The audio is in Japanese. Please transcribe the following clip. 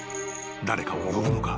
［誰かを呼ぶのか？］